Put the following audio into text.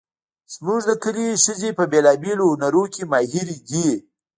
زموږ د کلي ښځې په بیلابیلو هنرونو کې ماهرې دي